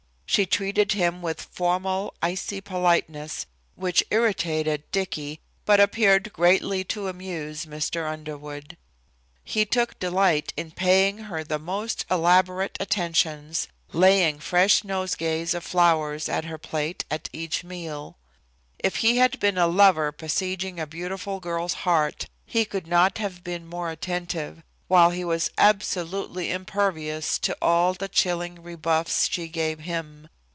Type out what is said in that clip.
She treated him with formal, icy politeness which irritated Dicky, but appeared greatly to amuse Mr. Underwood. He took delight in paying her the most elaborate attentions, laying fresh nosegays of flowers at her plate at each meal. If he had been a lover besieging a beautiful girl's heart he could not have been more attentive, while he was absolutely impervious to all the chilling rebuffs she gave him.